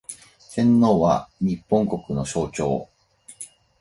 天皇は、日本国の象徴